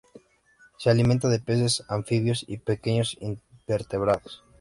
Se alimenta de peces, anfibios y pequeños invertebrados.